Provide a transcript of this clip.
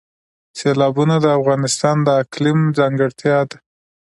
سیلابونه د افغانستان د اقلیم ځانګړتیا ده.